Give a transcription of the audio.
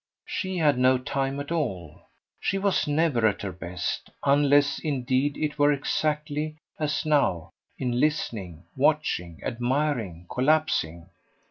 She had no time at all; she was never at her best unless indeed it were exactly, as now, in listening, watching, admiring, collapsing.